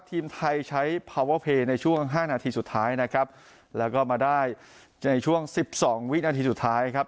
ทีมไทยใช้พาเวอร์เพย์ในช่วงห้านาทีสุดท้ายนะครับแล้วก็มาได้ในช่วงสิบสองวินาทีสุดท้ายครับ